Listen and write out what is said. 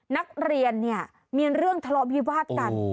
นักเรียนเนี่ยมีเรื่องทะเลาะวิวาดกัน